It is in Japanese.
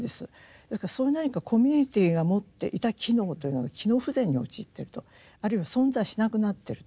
ですからそういう何かコミュニティーが持っていた機能というのが機能不全に陥ってるとあるいは存在しなくなってると。